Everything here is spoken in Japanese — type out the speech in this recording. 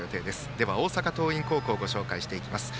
では大阪桐蔭高校ご紹介していきます。